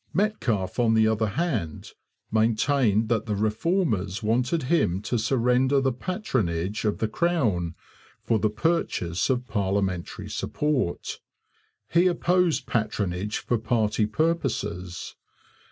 Metcalfe, on the other hand, maintained that the Reformers wanted him to surrender the patronage of the Crown 'for the purchase of parliamentary support.' He opposed patronage for party purposes.